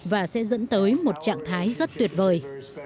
và sẽ dẫn tới một trạng thái rất tuyệt vời